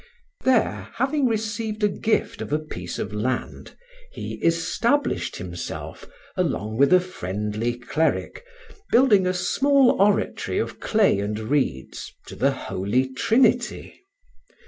There, having received a gift of a piece of land, he established himself along with a friendly cleric, building a small oratory of clay and reeds to the Holy Trinity.